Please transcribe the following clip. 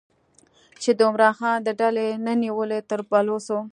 چې د عمران خان د ډلې نه نیولې تر بلوڅو